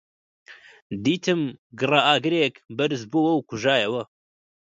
دیتم گڕەئاگرێک بەرز بۆوە و کوژایەوە